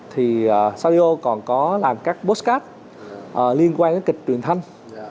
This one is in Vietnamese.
thì saudio còn có làm các postcards liên quan kịch truyền thanh